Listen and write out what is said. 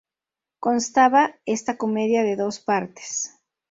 Constaba esta Comedia de dos partes.